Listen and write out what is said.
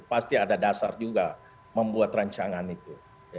pasti ada dasar juga membuat rancangan itu